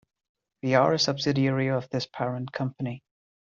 We are a subsidiary of this parent company.